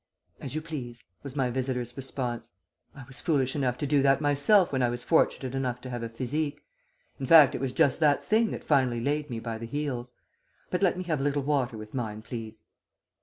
"'As you please,' was my visitor's response. 'I was foolish enough to do that myself when I was fortunate enough to have a physique. In fact it was just that thing that finally laid me by the heels. But let me have a little water with mine please.'